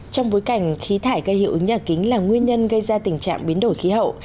trong bối cảnh khí thải gây hiệu ứng nhà kính là nguyên nhân gây ra tình trạng biến đổi khí hậu